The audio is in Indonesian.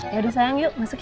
yaudah sayang yuk masuk yuk